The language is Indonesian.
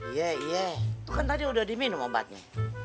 iya iya itu kan tadi udah diminum obatnya